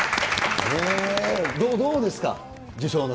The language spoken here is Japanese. どうですか？